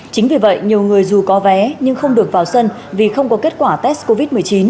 chính vì vậy nhiều người dù có vé nhưng không được vào sân vì không có kết quả test covid một mươi chín